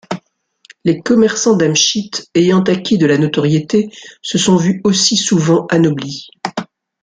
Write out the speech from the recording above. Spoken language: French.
Les commerçants d'Amchit ayant acquis de la notoriété, se sont vus aussi souvent anoblis.